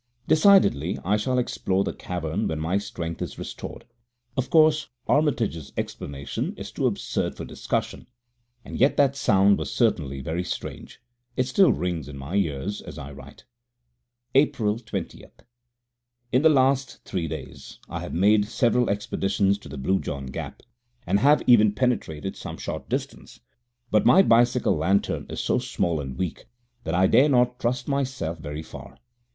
Decidedly I shall explore that cavern when my strength is restored. Of course, Armitage's explanation is too absurd for discussion, and yet that sound was certainly very strange. It still rings in my ears as I write. April 20. In the last three days I have made several expeditions to the Blue John Gap, and have even penetrated some short distance, but my bicycle lantern is so small and weak that I dare not trust myself very far.